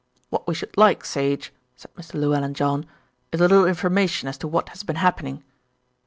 "What we should like, Sage," said Mr. Llewellyn John, "is a little information as to what has been happening."